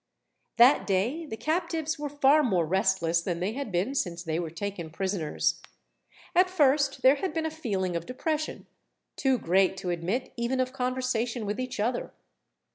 That day the captives were far more restless than they had been since they were taken prisoners. At first there had been a feeling of depression, too great to admit even of conversation with each other.